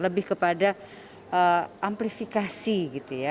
lebih kepada amplifikasi gitu ya